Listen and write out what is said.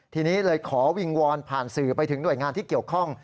ทีนี้เลยขอวิงวอนผ่านสื่อไปถึงหน่วยงานที่เกี่ยวข้อง